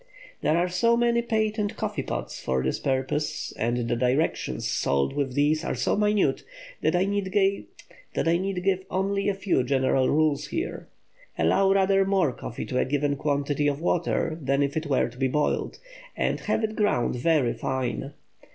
There are so many patent coffee pots for this purpose, and the directions sold with these are so minute, that I need give only a few general rules here. Allow rather more coffee to a given quantity of water than if it were to be boiled, and have it ground very fine.